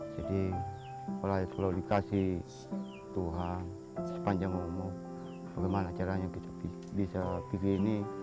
jadi kalau dikasih tuhan sepanjang umur bagaimana caranya kita bisa begini